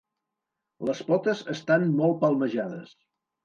Les potes estan molt palmejades.